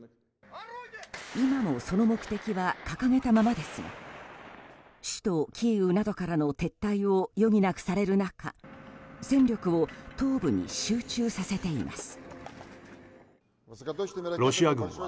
今も、その目的は掲げたままですが首都キーウなどからの撤退を余儀なくされる中戦力を東部に集中させています。